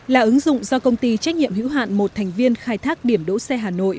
là ứng dụng do công ty trách nhiệm hữu hạn một thành viên khai thác điểm đỗ xe hà nội